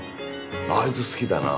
あいつ好きだな。